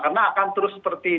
karena akan terus seperti ini